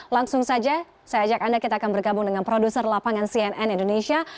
langsung saja saya ajak anda kita akan bergabung dengan produser lapangan cnn indonesia